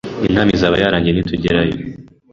Inama izaba yarangiye nitugerayo.